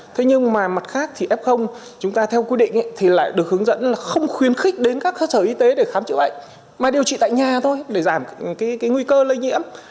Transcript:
thế nhưng mà mặt khác thì f chúng ta theo quy định thì lại được hướng dẫn là không khuyến khích đến các cơ sở y tế để khám chữa bệnh mà điều trị tại nhà thôi để giảm cái nguy cơ lây nhiễm